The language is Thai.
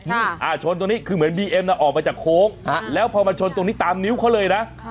อ่าชนตรงนี้คือเหมือนบีเอ็มน่ะออกมาจากโค้งฮะแล้วพอมาชนตรงนี้ตามนิ้วเขาเลยนะค่ะ